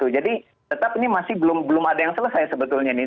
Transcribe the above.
jadi tetap ini masih belum ada yang selesai sebetulnya